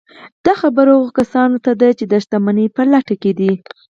دا خبره هغو کسانو ته ده چې د شتمنۍ په لټه کې دي